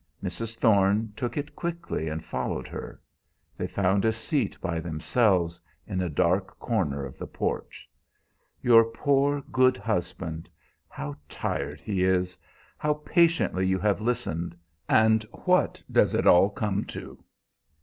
Mrs. Thorne took it quickly and followed her. They found a seat by themselves in a dark corner of the porch. "Your poor, good husband how tired he is! How patiently you have listened, and what does it all come to?"